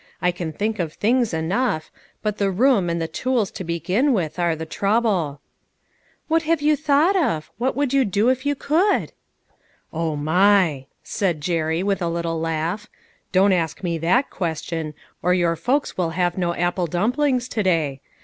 I can think of things enough ; but the room, and the tools to begin with, are the trouble." " What have you thought of ? What would you do if you could ?" "O my!" said Jerry, with a little laugh; " don't ask rne that question, or your folks will have no apple dumplings to day.